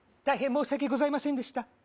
大変申し訳ございませんでした